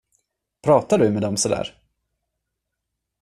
Pratar du med dem sådär?